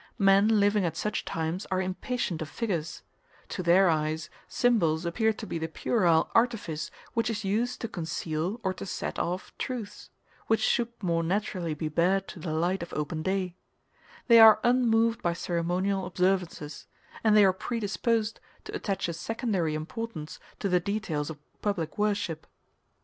Men living at such times are impatient of figures; to their eyes symbols appear to be the puerile artifice which is used to conceal or to set off truths, which should more naturally be bared to the light of open day: they are unmoved by ceremonial observances, and they are predisposed to attach a secondary importance to the details of public worship.